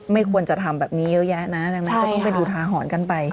ไม่ควรจะทำแบบนี้เยอะแยะนะดังนั้นก็ต้องเป็นอุทาหรณ์กันไป